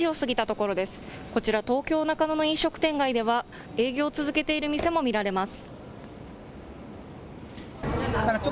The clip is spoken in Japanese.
こちら、東京・中野の飲食店街では、営業を続けている店も見られます。